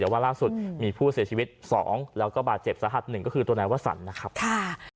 แต่ว่าล่าสุดมีผู้เสียชีวิต๒แล้วก็บาดเจ็บสาหัสหนึ่งก็คือตัวนายวสันนะครับค่ะ